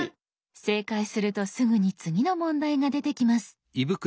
正解するとすぐに次の問題が出てきます。